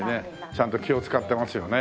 ちゃんと気を使ってますよね。